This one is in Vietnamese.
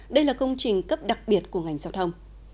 đây là công trình cấp đặc biệt của ngành giao thông